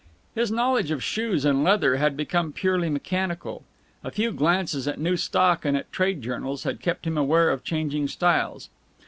His knowledge of shoes and leather had become purely mechanical; a few glances at new stock and at trade journals had kept him aware of changing styles.